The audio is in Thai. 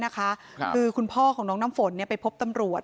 คือคุณพ่อของน้องน้ำฝนไปพบตำรวจ